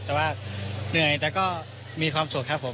แต่ว่าเหนื่อยแต่ก็มีความสุขครับผม